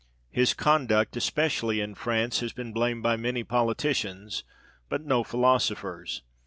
His con duct, especially in France, has been blamed by many politicians, but no philosophers.